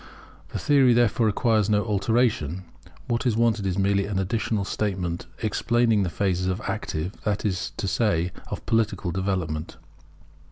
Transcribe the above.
The theory therefore requires no alteration: what is wanted is merely an additional statement explaining the phases of active, that is to say, of political development.